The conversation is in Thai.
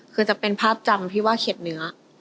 คือจะเป็นภาพจำที่ว่าเข็ดเนื้อ